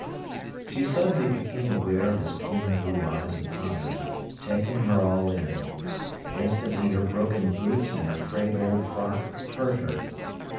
She suddenly became aware of his keen blue eyes upon her, taking her all in. Instantly her broken boots and her frayed old frock hurt her.